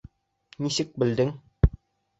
Нисек белдең?